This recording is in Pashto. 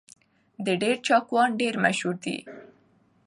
د دير چاکوان ډېر مشهور دي